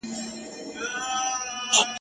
د ویر او ماتم په دې سختو شېبو کي هم !.